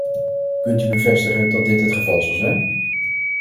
Kunt u bevestigen dat dit het geval zal zijn?